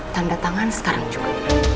tanda tangan sekarang juga